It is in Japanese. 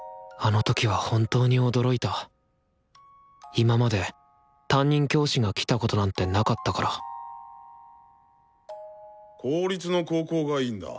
今まで担任教師が来たことなんてなかったから公立の高校がいいんだ？